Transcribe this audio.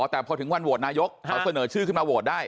แต่พอถึงวันโหวตนายกเขาเสนอชื่อขึ้นมาโหวตได้